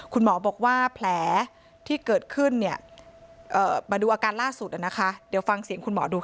คุณหมอบอกว่าแผลที่เกิดขึ้นเนี่ยมาดูอาการล่าสุดนะคะเดี๋ยวฟังเสียงคุณหมอดูค่ะ